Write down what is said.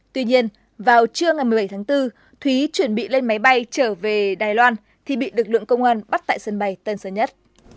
tuy nhiên vào trưa ngày một mươi bảy tháng bốn thúy chuẩn bị lên máy bay trở về đài loan thì bị lực lượng công an bắt tại sân bay tân sơn nhất